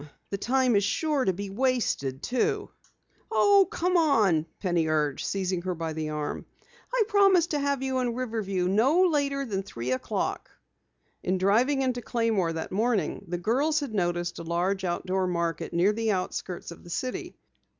The time is sure to be wasted too." "Oh, come along," Penny urged, seizing her by the arm. "I promise to have you in Riverview no later than three o'clock." In driving into Claymore that morning the girls had noticed a large outdoor market near the outskirts of the city.